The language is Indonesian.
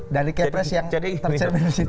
dari kepres yang tersermin di situ